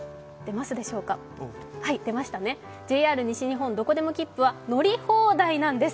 ＪＲ西日本どこでもきっぷは乗り放題なんです。